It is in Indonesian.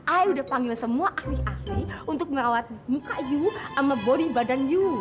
ayah udah panggil semua ahli ahli untuk merawat muka you sama body badan you